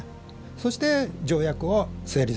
そして条約を成立させる。